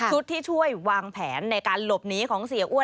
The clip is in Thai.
ที่ช่วยวางแผนในการหลบหนีของเสียอ้วน